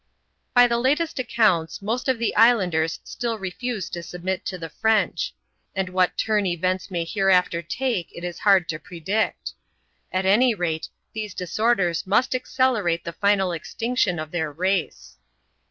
By the latest accounts, most of the islanders still refuse to submit to the French ; and what turn events may hereafter take it is hard to predict. At any rate, these disorders must accelerate the final extinction of their race.